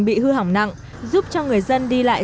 bị hư hỏng nặng giúp cho người dân đi lại